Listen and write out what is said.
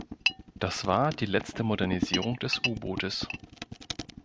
Das war die letzte Modernisierung des U-Bootes.